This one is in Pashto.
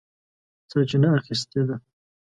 سرچینه اخیستې ده.